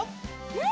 うん！